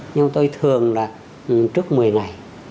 nhưng tôi thường là trước một mươi ngày